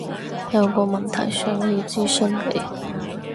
有個問題想要諮詢你